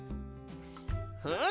ふん！